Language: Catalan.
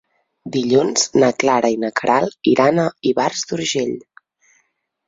Dilluns na Clara i na Queralt iran a Ivars d'Urgell.